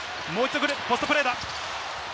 ポストプレーだ。